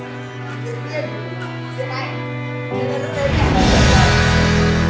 đọc diễn viên